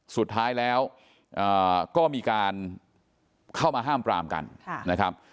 สุดท้ายแล้วก็มีการเข้ามาห้ามปรามกันนะครับ